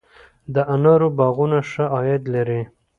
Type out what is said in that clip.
د انارو باغونه ښه عاید لري؟